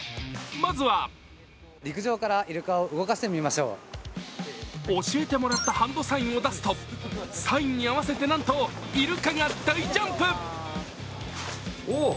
まずは教えてもらったハンドサインを出すとサインに合わせてなんとイルカが大ジャンプ。